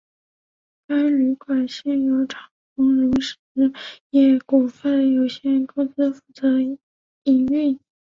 该旅馆现由长鸿荣实业股份有限公司负责营运。